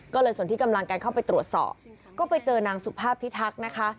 ก็เลยส่วนที่กำลังกันเข้าไปตรวจสอบก็ไปเจอนางสุภาพพิทักษ์นะคะ